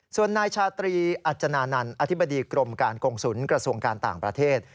ส่วนนายชาตรีอัจจนานันต์อธิบดีกรมการกงศุลกระทรวงการต่างประเทศ